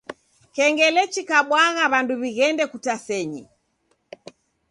Kengele ikabwagha w'andu w'ighende kutasenyi.